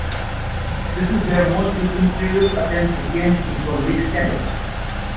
This is their most recent serious attempt to gain Football League status.